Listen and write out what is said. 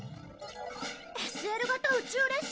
ＳＬ型宇宙列車？